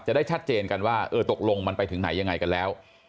ได้ชัดเจนกันว่าเออตกลงมันไปถึงไหนยังไงกันแล้ว